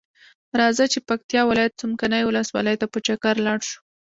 راځۀ چې پکتیا ولایت څمکنیو ولسوالۍ ته په چکر لاړشو.